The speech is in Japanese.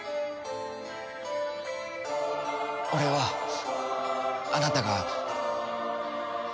俺はあなたが。